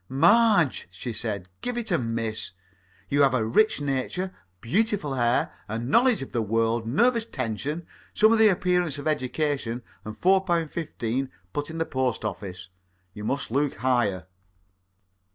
"Marge," she said, "give it a miss. You have a rich nature, beautiful hair, a knowledge of the world, nervous tension, some of the appearance of education, and four pound fifteen put by in the Post Office. You must look higher."